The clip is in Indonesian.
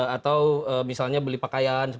atau misalnya beli pakaian